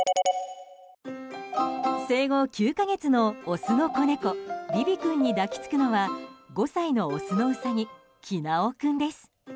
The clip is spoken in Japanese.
生後９か月のオスの子猫ビビ君に抱き着くのは５歳のオスのウサギキナオ君です。